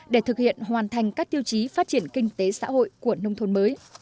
để thực hiện hoàn thành các tiêu chí phát triển kinh tế xã hội của nông thôn mới